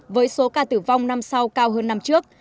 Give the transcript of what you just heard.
với số ca tử vong năm sau cao hơn năm trước